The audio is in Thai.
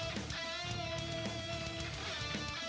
มีความรู้สึกว่า